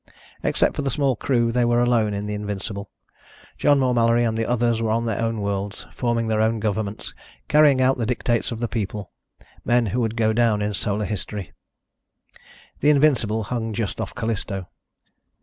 Except for the small crew, they were alone in the Invincible. John Moore Mallory and the others were on their own worlds, forming their own governments, carrying out the dictates of the people, men who would go down in solar history. The Invincible hung just off Callisto.